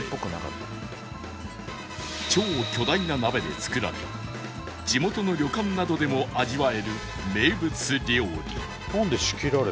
超巨大な鍋で作られ地元の旅館などでも味わえる名物料理